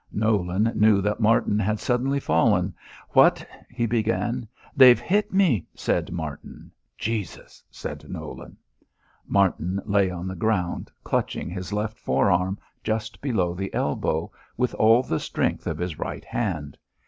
Nolan knew that Martin had suddenly fallen. "What " he began. "They've hit me," said Martin. "Jesus!" said Nolan. Martin lay on the ground, clutching his left forearm just below the elbow with all the strength of his right hand.